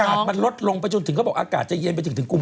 มันลดลงไปจนถึงเขาบอกอากาศจะเย็นไปจนถึงกุม